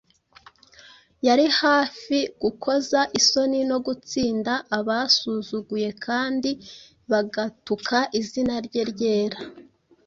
yari hafi gukoza isoni no gutsinda abasuzuguye kandi bagatuka izina Rye ryera.